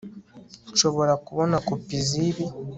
Nshobora kubona kopi zibi